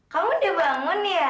kamu udah bangun ya